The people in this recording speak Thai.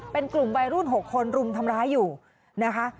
เป็นกลุ่มวัยรุ่น๖คนรุมทำร้ายอยู่นะคะ